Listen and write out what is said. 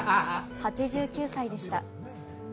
８９歳でした。